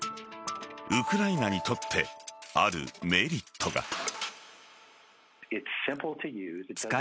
ウクライナにとってあるメリットが。